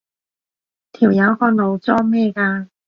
條友個腦裝咩㗎？